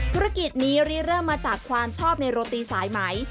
ธุรกิจนี้เริ่มมาจากความชอบในโรตีสายไหม